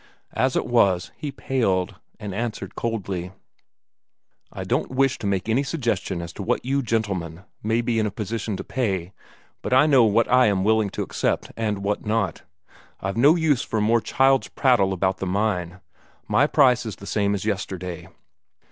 As it was, he paled, and answered coldly: "I don't wish to make any suggestion as to what you, gentlemen, may be in a position to pay but I know what I am willing to accept and what not. I've no use for more child's prattle about the mine. My price is the same as yesterday."